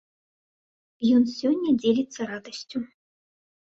Ён сёння дзеліцца радасцю.